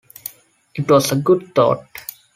It was a good thought.